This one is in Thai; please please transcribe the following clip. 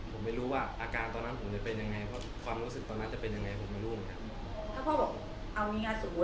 ผมไม่รู้ว่าอาการตอนนั้นผมจะเป็นยังไงเพราะความรู้สึกตอนนั้นจะเป็นยังไงผมไม่รู้เหมือนกัน